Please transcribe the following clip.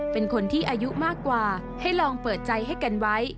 เป็นคนที่อายุมากกว่าให้ลองเปิดใจให้กันไว้